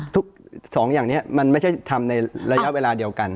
สองอย่างนี้มันไม่ใช่ทำในระยะเวลาเดียวกัน